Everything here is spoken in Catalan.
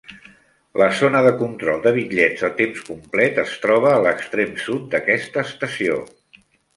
La zona de control de bitllets a temps complet es troba a l'extrem sud d'aquesta estació.